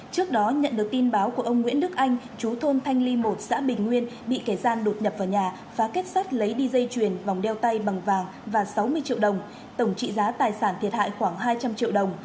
trước đó nhận được tin báo của ông nguyễn đức anh chú thôn thanh ly một xã bình nguyên bị kẻ gian đột nhập vào nhà phá kết sắt lấy đi dây chuyền vòng đeo tay bằng vàng và sáu mươi triệu đồng tổng trị giá tài sản thiệt hại khoảng hai trăm linh triệu đồng